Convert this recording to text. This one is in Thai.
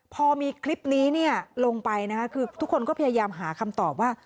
พอมีคลิปนี้ลงไปนะคะคือทุกคนก็พยายามหาคำตอบว่า